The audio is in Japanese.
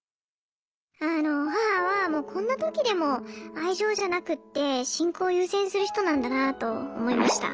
あの母はもうこんな時でも愛情じゃなくって信仰を優先する人なんだなと思いました。